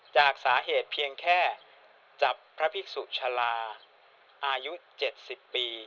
จากสาเหตุเพียงแค่จับพระภิกษุชาลาอายุ๗๐ปี